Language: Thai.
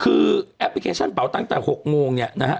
คือแอปพลิเคชันเป่าตั้งแต่๖โมงเนี่ยนะฮะ